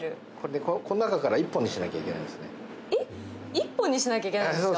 １本にしなきゃいけないんですか？